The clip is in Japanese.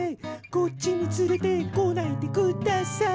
こっちにつれてこないで下さい！」